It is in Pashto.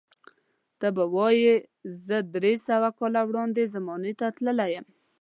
ته به وایې زر درې سوه کاله وړاندې زمانې ته تللی یم.